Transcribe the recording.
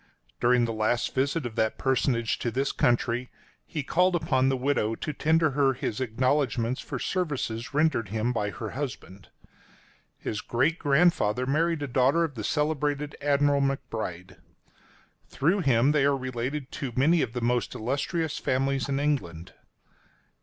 During the last visit of that personage to this country, he called upon the widow to tender her his acknowledgments for services rendered him by her husband. His great grandfather married a daughter of the celebrated Admiral McBride. Through him they are related to many of the most illustrious families in England.